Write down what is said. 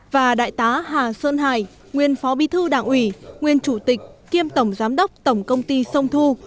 và đại tá hà sơn hải nguyên phó bí thư đảng ủy nguyên chủ tịch kiêm tổng giám đốc tổng công ty sông thu